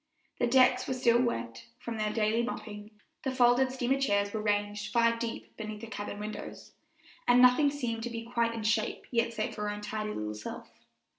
The decks were still wet from their daily mopping, the folded steamer chairs were ranged five deep beneath the cabin windows, and nothing seemed to be quite in shape yet save her own tidy little self.